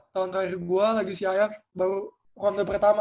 tahun terakhir gue lagi siayak baru round pertama